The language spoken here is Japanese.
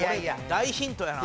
大ヒントやな。